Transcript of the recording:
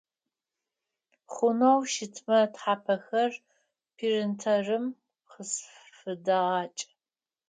Хъунэу щытмэ тхьапэхэр принтерым къысфыдэгъэкӏ.